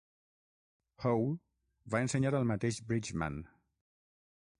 Howe va ensenyar al mateix Bridgman.